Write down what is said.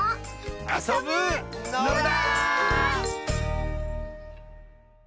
あそぶのだ！